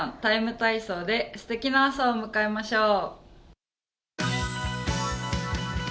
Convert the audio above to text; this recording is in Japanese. ＴＩＭＥ，体操」ですてきな朝を迎えましょう。